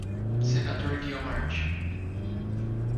Senador Guiomard